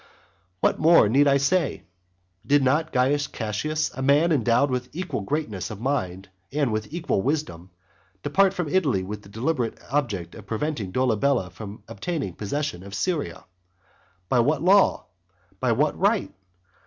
What more need I say? Did not Caius Cassius, a man endowed with equal greatness of mind and with equal wisdom, depart from Italy with the deliberate object of preventing Dolabella from obtaining possession of Syria? By what law? By what right?